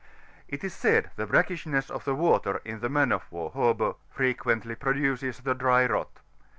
It is said, the brackishness of the water in the man of war harbour frequently produces the dry rot.